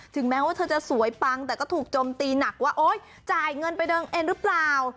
แม้ว่าเธอจะสวยปังแต่ก็ถูกจมตีหนักว่าโอ๊ยจ่ายเงินไปเดินเองหรือเปล่า